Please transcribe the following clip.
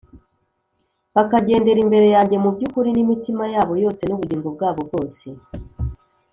bakagendera imbere yanjye mu by’ukuri n’imitima yabo yose n’ubugingo bwabo bwose